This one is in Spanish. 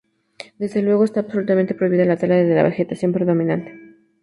Desde luego, está absolutamente prohibida la tala de la vegetación predominante.